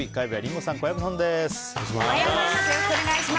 火曜日はリンゴさん、小籔さんです。